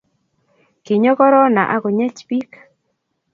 kinyo korona akunyech biik